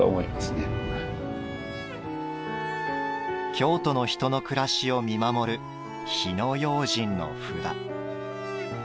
京都の人の暮らしを見守る火迺要慎の札。